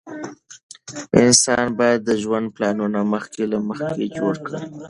انسان باید د ژوند پلانونه مخکې له مخکې جوړ کړي.